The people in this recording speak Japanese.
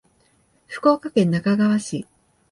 福岡県那珂川市